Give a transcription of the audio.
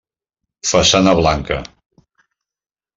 Façana blanca.